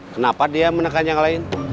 kenapa dia menekan yang lain